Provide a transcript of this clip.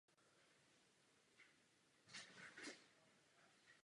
Politické strany jsou samozřejmě zakázány.